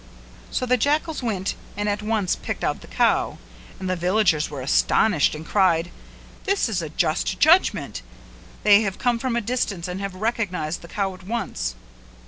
So the jackals went and at once picked out the cow, and the villagers were astonished and cried. "This is a just judgment! They have come from a distance and have recognised the cow at once."